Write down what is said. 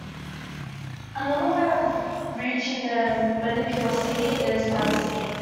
Another way of reaching this municipality is by the sea.